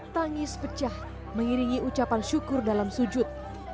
tangis pecah mengiringi ucapan syukur dalam sujud